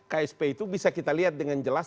ksp itu bisa kita lihat dengan jelas